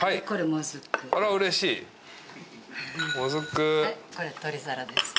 もずくこれ取り皿です